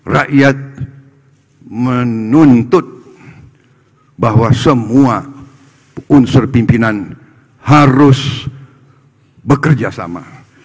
rakyat menuntut bahwa semua unsur pimpinan harus bekerja sama